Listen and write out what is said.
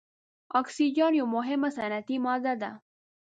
اکسیجن یوه مهمه صنعتي ماده ده.